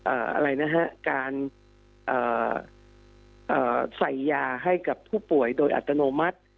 อะไรนะฮะการเอ่อใส่ยาให้กับผู้ป่วยโดยอัตโนมัติ